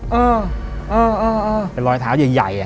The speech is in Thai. เออเออเออเออเป็นรอยเท้าใหญ่